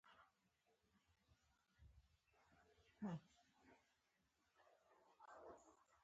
دغه تړاو د پاکستان او افغانستان تر منځ له روان کړکېچ سره نه لري.